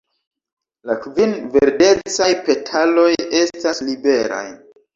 La kvin verdecaj petaloj estas liberaj.